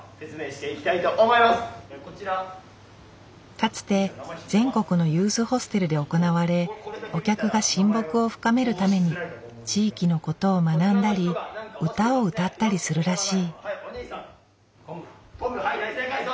かつて全国のユースホステルで行われお客が親睦を深めるために地域のことを学んだり歌を歌ったりするらしい。